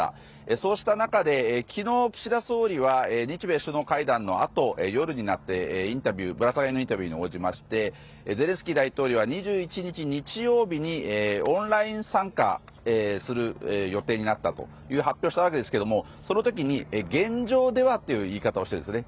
そうした中で昨日、岸田総理は日米首脳会談のあと夜になって、ぶら下がりのインタビューに応じましてゼレンスキー大統領は２１日日曜日にオンライン参加する予定になったと発表したわけですけどもその時に、現状ではという言い方をしてるんですね。